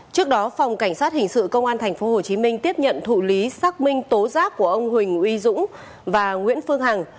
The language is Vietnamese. trước đó phòng cảnh sát hình sự công an tp hcm tiếp nhận thụ lý xác minh tố giác của ông huỳnh uy dũng và nguyễn phương hằng